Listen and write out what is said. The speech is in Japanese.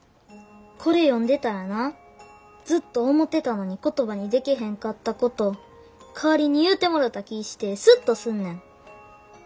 これ読んでたらなずっと思てたのに言葉にでけへんかったこと代わりに言うてもろた気ぃしてスッとすんねん。